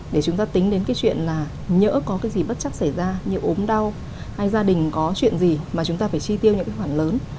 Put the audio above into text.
để chúng ta tính đến cái chuyện là nhỡ có cái gì bất chắc xảy ra như ốm đau hay gia đình có chuyện gì mà chúng ta phải chi tiêu những cái khoản lớn